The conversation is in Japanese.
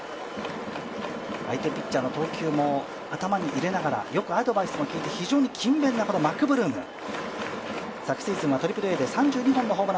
相手ピッチャーの投球も頭に入れながらよくアドバイスも聞いて非常に勤勉なマクブルーム。